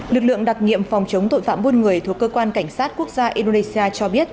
lực lượng đặc nhiệm phòng chống tội phạm buôn người thuộc cơ quan cảnh sát quốc gia indonesia cho biết